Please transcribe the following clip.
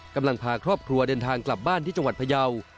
กำลังพาครอบครัวเดินทางกลับบ้านที่จังหวัดพยาว